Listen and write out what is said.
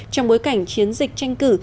trong bối cảnh chiến dịch tranh cử